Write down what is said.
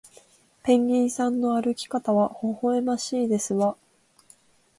ペンギンさんの歩き方はほほえましいですわ